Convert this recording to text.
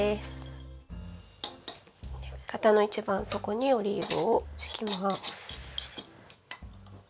型の一番底にオリーブを敷きます。